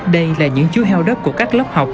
đây là những chú heo đất của các lớp học